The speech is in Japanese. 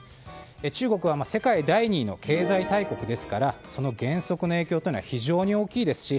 中国は世界第２位の経済大国ですからその減速の影響は非常に大きいですし